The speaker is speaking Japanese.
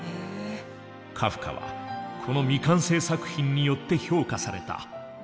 カフカはこの未完成作品によって評価された。